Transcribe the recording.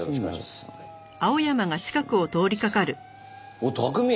おっ拓海！